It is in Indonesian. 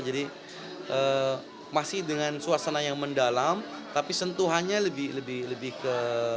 jadi masih dengan suasana yang mendalam tapi sentuhannya lebih ke